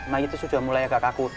nah itu sudah mulai agak kaku